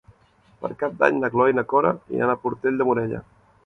Per Cap d'Any na Cloè i na Cora iran a Portell de Morella.